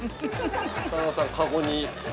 田中さん、かごに。